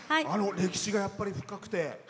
歴史がやっぱり深くて。